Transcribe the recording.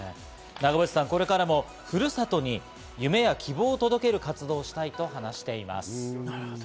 長渕さん、これからもふるさとに夢や希望を届ける活動をしたいと話しています。